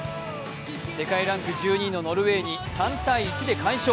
世界ランク１２位のノルウェーに３−１で快勝。